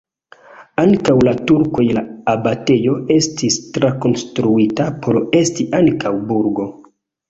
Antaŭ la turkoj la abatejo estis trakonstruita por esti ankaŭ burgo.